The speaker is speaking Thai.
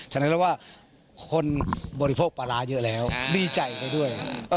ฉะนั้นแล้วว่าคนบริโภคปลาร้าเยอะแล้วดีใจไปด้วย